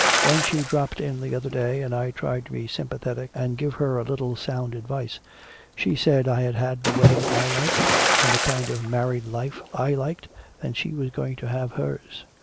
When she dropped in the other day and I tried to be sympathetic and give her a little sound advice, she said I had had the wedding I liked and the kind of married life I liked, and she was going to have hers.